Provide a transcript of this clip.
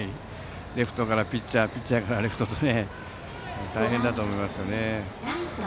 レフトからピッチャーピッチャーからレフトと大変だと思います。